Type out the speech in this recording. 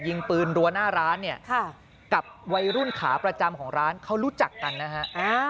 ยิงปืนรั้วหน้าร้านเนี่ยกับวัยรุ่นขาประจำของร้านเขารู้จักกันนะฮะ